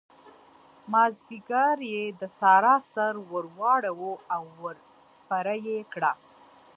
مازديګر يې د سارا سر ور واړاوو او ور سپره يې کړه.